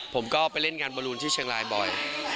ผมก็ไปเล่นงานบอลูนที่เชียงรายบ่อย